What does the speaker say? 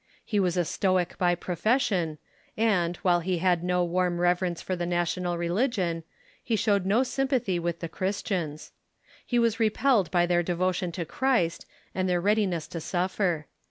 He was a Stoic by profession, and, while he had no warm reverence for the national religion, he showed no sympathy with the Christians. He was repelled by their devotion to Christ and their readiness to suffer.